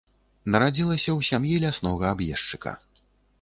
Нарадзілася ў сям'і ляснога аб'ездчыка.